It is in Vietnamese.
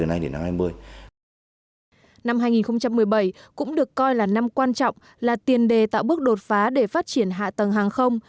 năm hai nghìn một mươi bảy cũng được coi là năm quan trọng là tiền đề tạo bước đột phá để phát triển hạ tầng hàng không